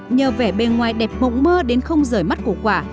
nhờ vẻ bề ngoài đẹp mộng mơ đến không rời mắt của quả